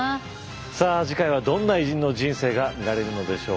さあ次回はどんな偉人の人生が見られるのでしょうか。